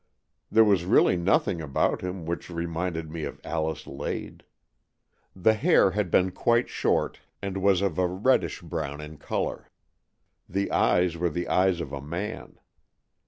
There was really nothing about him which reminded me of Alice Lade. The hair had been quite short and was of a red dish brown in colour. The eyes were the eyes of a man.